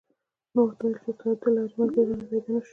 ما ورته و ویل چې استاده د لارې ملګری رانه پیدا نه شو.